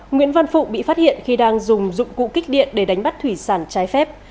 nguyễn văn phụng bị phát hiện khi đang dùng dụng cụ kích điện để đánh bắt thủy sản trái phép